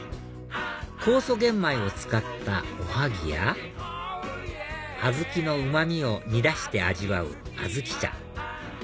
酵素玄米を使ったおはぎやアズキのうまみを煮出して味わうあずき茶